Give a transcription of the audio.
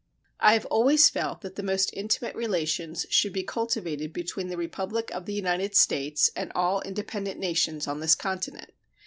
I have always felt that the most intimate relations should be cultivated between the Republic of the United States and all independent nations on this continent.